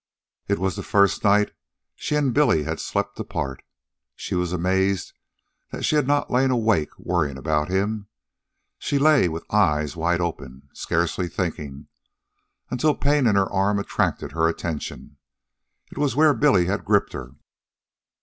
It was the first night she and Billy had slept apart. She was amazed that she had not lain awake worrying about him. She lay with eyes wide open, scarcely thinking, until pain in her arm attracted her attention. It was where Billy had gripped her.